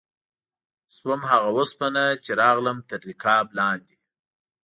شوم هغه اوسپنه چې راغلم تر رکاب لاندې